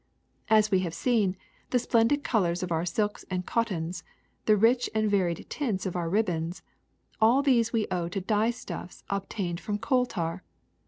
As we have seen, the splendid colors of our silks and cottons, the rich and varied tints of our ribbons — all these we owe to dyestuff s obtained from coal tar.